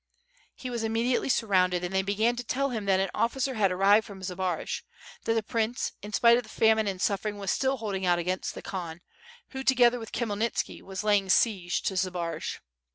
He was immediately surrounded and they began to tell him that an officer had arrived from Zbaraj; that the prince, in spite of famine and suffering, was still holding put against the Khan, who together with Khmyelnitski was laying siege to Zbaraj; WITH FIRE AND SWORD.